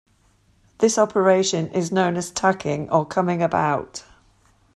This operation is known as tacking or coming about.